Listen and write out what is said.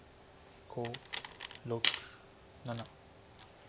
５６７。